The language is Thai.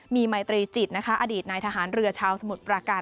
มีมัยตรีจิตนะคะอดีตนายทหารเรือชาวสมุทรปราการ